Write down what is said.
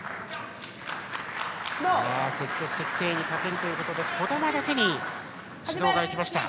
積極的戦意に欠けるということで児玉だけに指導が行きました。